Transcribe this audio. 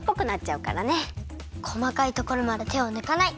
こまかいところまでてをぬかない！